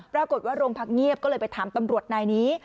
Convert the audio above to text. ปรากฏว่าโรงพักเงียบก็เลยไปถามตำรวจนายนี้